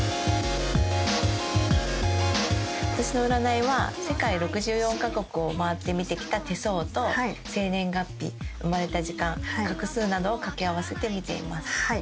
私の占いは世界６４カ国を回って見てきた手相と生年月日生まれた時間画数などを掛け合わせて見ています。